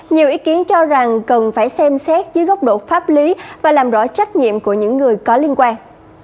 nhiều ý kiến cho rằng cần phải xem xét dưới góc độ pháp lý và làm rõ trách nhiệm của những người có liên quan